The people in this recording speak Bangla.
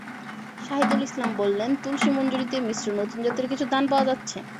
শাহীদুল ইসলাম বললেন, তুলসী মঞ্জরিতে মিশ্র নতুন জাতের কিছু ধান পাওয়া যাচ্ছে।